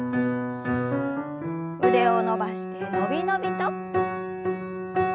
腕を伸ばしてのびのびと。